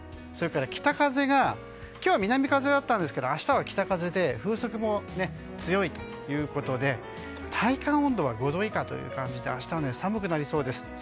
それから今日は南風だったんですけど明日は北風で風速も強いということで体感温度は５度以下という感じで明日は寒くなりそうです。